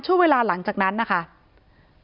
ที่มีข่าวเรื่องน้องหายตัว